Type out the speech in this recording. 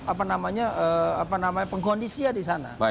apa namanya pengkondisinya disana